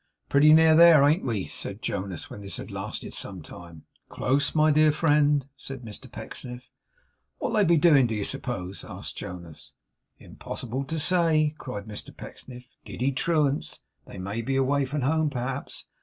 'Pretty nearly there, ain't we?' said Jonas, when this had lasted some time. 'Close, my dear friend,' said Mr Pecksniff. 'What'll they be doing, do you suppose?' asked Jonas. 'Impossible to say,' cried Mr Pecksniff. 'Giddy truants! They may be away from home, perhaps.